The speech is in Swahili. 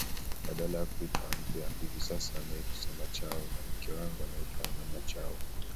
Badala ya kuitwa Andrea hivi sasa naitwa Samachau na mke wangu anaitwa Wanamachau